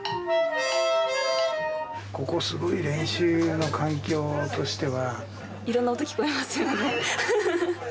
ここすごい練習の環境としては。